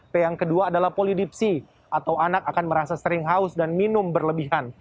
p yang kedua adalah polidipsi atau anak akan merasa sering haus dan minum berlebihan